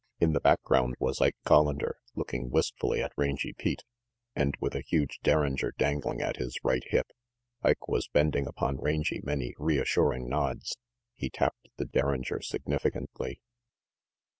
In the background was Ike Collander, looking wistfully at Hangy Pete, and with a huge derringer dangling at RANGY PETE 393 his right hip. Ike was bending upon Rangy many reassuring nods, he tapped the derringer significantly.